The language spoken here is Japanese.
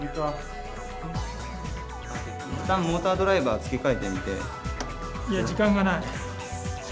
いったんモータードライバー付け替えてみて。